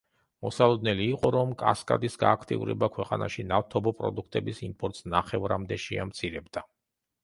მოსალოდნელი იყო, რომ კასკადის გააქტიურება ქვეყანაში ნავთობპროდუქტების იმპორტს ნახევრამდე შეამცირებდა.